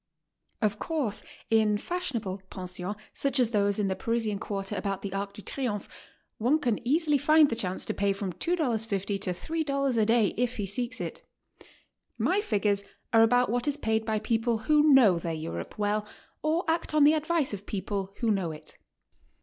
Of course, in fas'hionable pensions, such as those in the Parisian quarter about the Arc de Triomphe, one can easily find the chance to pay from $2.50 to $3 a day if he seeks it. My figures are about what is paid by people who know 'their Europe well or act on the advice <of people who know it.